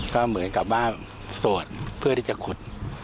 ก็เหมือนกับว่าสวดเพื่อที่จะขุด